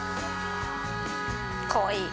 かわいい。